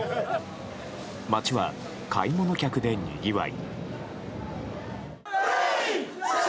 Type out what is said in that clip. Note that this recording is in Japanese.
街は買い物客でにぎわい。